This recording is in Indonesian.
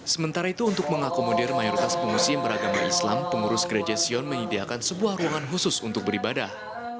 sementara itu untuk mengakomodir mayoritas pengungsi yang beragama islam pengurus gereja sion menyediakan sebuah ruangan khusus untuk beribadah